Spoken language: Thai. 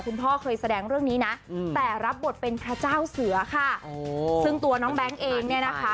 คุณพ่อเคยแสดงเรื่องนี้นะแต่รับบทเป็นพระเจ้าเสือค่ะซึ่งตัวน้องแบงค์เองเนี่ยนะคะ